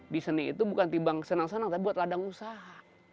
di seni itu bukan timbang senang senang tapi buat ladang usaha